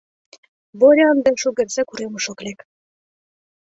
...Боря ынде шукертсек уремыш ок лек.